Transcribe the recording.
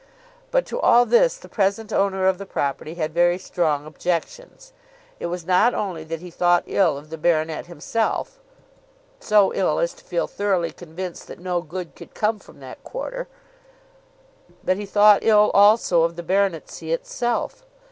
But to all this the present owner of the property had very strong objections. It was not only that he thought ill of the baronet himself, so ill as to feel thoroughly convinced that no good could come from that quarter, but he thought ill also of the baronetcy itself.